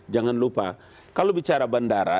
jangan lupa kalau bicara bandara